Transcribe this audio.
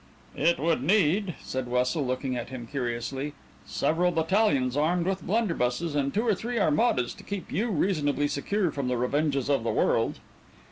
"It would need," said Wessel, looking at him curiously, "several battalions armed with blunderbusses, and two or three Armadas, to keep you reasonably secure from the revenges of the world."